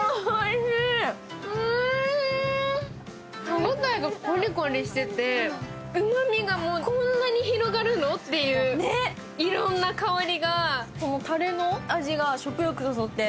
歯応えがコリコリしててうまみがこんなに広がるのっていういろんな香りが、たれの味が食欲をそそって。